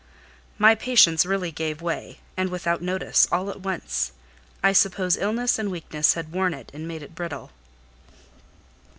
My patience really gave way, and without notice: all at once. I suppose illness and weakness had worn it and made it brittle.